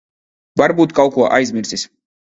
Varbūt kaut ko aizmirsis.